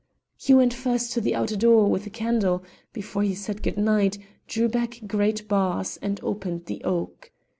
He went first to the outer door with the candle before he said good night, drew back great bars, and opened the oak.